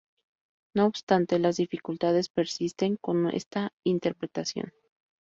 No obstante, las dificultades persisten con esta interpretación.